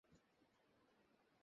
আস্তে কর তো।